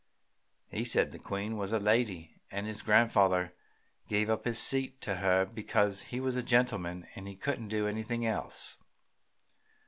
He said the Queen was a lady, and his grandfather gave up his seat to her because he was a gentleman and couldn't do anything else."